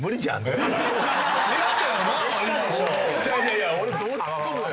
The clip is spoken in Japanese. いやいや俺どうツッコむのよ。